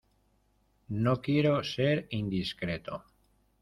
no quiero ser indiscreto